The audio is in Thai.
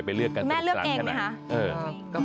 คุณแม่เลือกเองไหมคะ